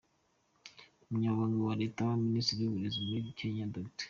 Umunyamabanga wa Leta muri Minisiteri y’Uburezi muri Kenya, Dr.